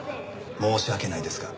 申し訳ないですが。